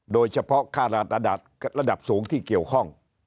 โดยเฉพาะค่าระดับสูงที่เกี่ยวข้อง